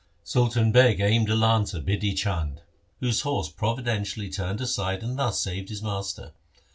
Sultan Beg aimed a lance at Bidhi Chand, whose horse providentially turned aside and thus saved his master.